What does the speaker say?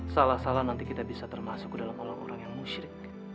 salah salah nanti kita bisa termasuk ke dalam orang orang yang musyrik